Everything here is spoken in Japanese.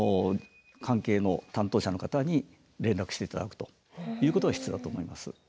関係の担当者の方に連絡して頂くということが必要だと思います。